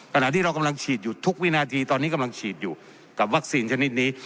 ขณะที่เรากำลังฉีดอยู่ทุกวินาทีตอนนี้กำลังฉีดอยู่กับวัคซีนชนิดนี้